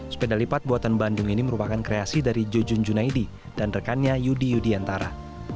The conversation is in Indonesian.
sepeda lipat buatan bandung ini merupakan kreasi dari jujun junaidi dan rekannya yudi yudiantara